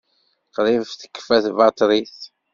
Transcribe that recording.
Qrib tekfa tbaṭrit.